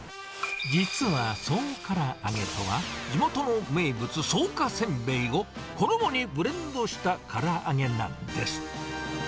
実はそうからあげとは、地元の名物、草加せんべいを衣にブレンドしたから揚げなんです。